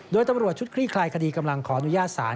โดยตำรวจชุดคลี่คลายคดีกำลังขออนุญาตศาล